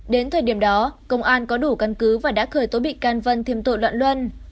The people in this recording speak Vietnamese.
đến thời điểm đó công an có đủ căn cứ và đã khởi tố bị can vân thêm tội loạn luân